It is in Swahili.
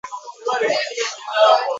Kule tuko naenda ni kweusi